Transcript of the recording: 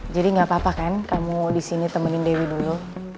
jadi gak apa apa kan kamu disini temenin dewi dulu